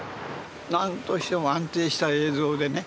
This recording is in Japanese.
何としても安定した映像でね